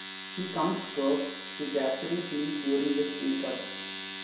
She comes close to capturing him during a stakeout.